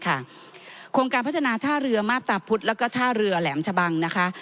โครงการพัฒนาท่าเรือมาบตาพุธแล้วก็ท่าเรือแหลมชะบังนะคะ